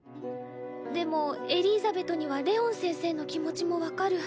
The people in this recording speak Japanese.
でもエリーザベトにはレオン先生の気持ちも分かる。